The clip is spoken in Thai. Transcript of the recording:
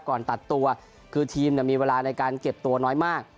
ก่อนตัดตัวคือทีมมีเวลาในการเก็บตัวน้อยมาก